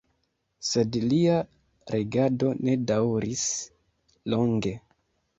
Sed lia regado ne daŭris longe.